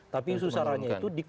tapi susahannya itu